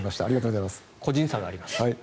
個人差があります。